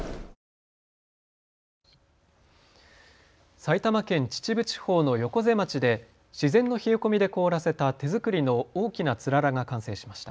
埼玉県秩父地方の横瀬町で自然の冷え込みで凍らせた手作りの大きなつららが完成しました。